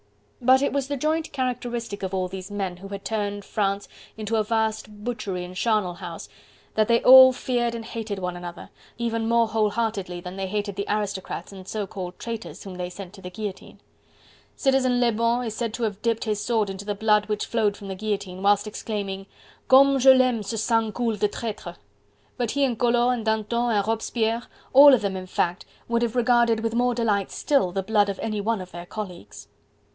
But it was the joint characteristic of all these men who had turned France into a vast butchery and charnel house, that they all feared and hated one another, even more whole heartedly than they hated the aristocrats and so called traitors whom they sent to the guillotine. Citizen Lebon is said to have dipped his sword into the blood which flowed from the guillotine, whilst exclaiming: "Comme je l'aime ce sang coule de traitre!" but he and Collot and Danton and Robespierre, all of them in fact would have regarded with more delight still the blood of any one of their colleagues.